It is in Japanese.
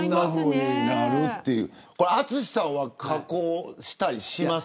淳さんは加工したりします。